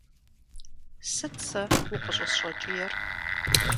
Сыт сэ укъыщӏысщӏэкӏиер?